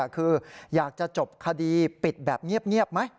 คืออยากจะจบคดีปิดแบบเงียบไหม